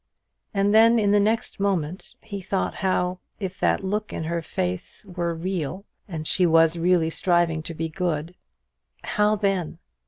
And then in the next moment he thought how, if that look in her pale face were real, and she was really striving to be good, how then?